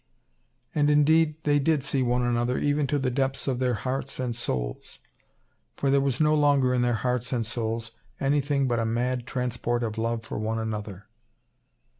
And, indeed, they did see one another even to the depths of their hearts and souls, for there was no longer in their hearts and souls anything but a mad transport of love for one another.